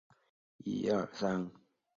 后授刑科都给事中。